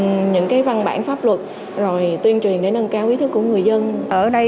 rồi tuyên truyền để nâng cao ý thức của người dân